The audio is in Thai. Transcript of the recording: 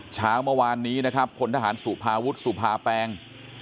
เช้าเมื่อวานนี้นะครับพลทหารสุภาวุฒิสุภาแปง